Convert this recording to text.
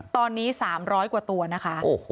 ตอนนี้๓๐๐กว่าตัวนะคะ